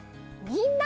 「みんな」。